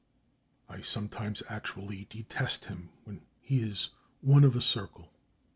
I sometimes actually detest him when he is one of a circle.